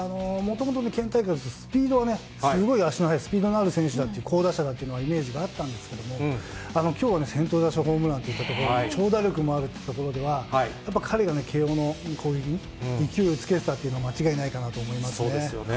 もともとスピードはね、すごい足の速い、スピードのある選手だっていう、好打者だっていうイメージがあったんですけど、きょうはね、先頭打者ホームランということで、長打力もあるといったところでは、やっぱり彼が慶応の攻撃に勢いをつけてたっていうのは、間違いなそうですよね。